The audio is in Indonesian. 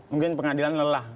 mungkin pengadilan lelah